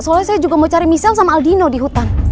soalnya saya juga mau cari michelle sama aldino di hutan